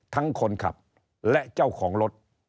ทั้งคนขับและเจ้าของรถ